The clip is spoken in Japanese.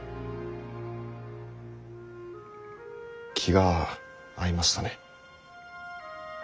気が合いましたね。